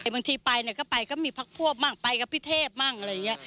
บางทีไปก็ไปก็มีพักพวกมั่งไปกับพี่เทพมั่งอะไรอย่างนี้